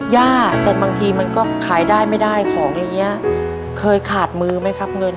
ย่าแต่บางทีมันก็ขายได้ไม่ได้ของอย่างนี้เคยขาดมือไหมครับเงิน